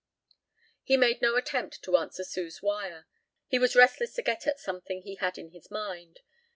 He made no attempt to answer Sue's wire. He was restless to get at something he had in his mind.